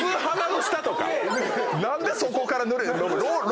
何でそこからぬれ。